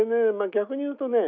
逆に言うとね